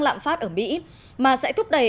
lạm phát ở mỹ mà sẽ thúc đẩy